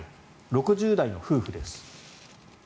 ６０代の夫婦です。